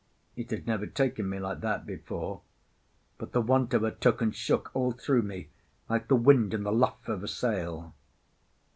It had never taken me like that before; but the want of her took and shook all through me, like the wind in the luff of a sail.